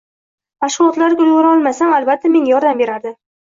Mashg`ulotlarda ulgura olmasam, albatta menga yordam berardi